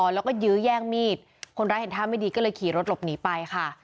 แล้วก็ยื้อแย่งมีดคนร้ายเห็นท่าไม่ดีก็เลยขี่รถหลบหนีไปค่ะ